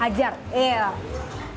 emang enak sih mantap